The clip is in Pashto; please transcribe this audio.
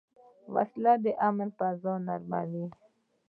وسله د امن فضا نړوي